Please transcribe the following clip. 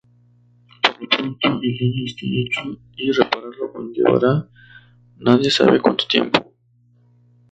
Por lo pronto, el daño está hecho y repararlo conllevará nadie sabe cuánto tiempo.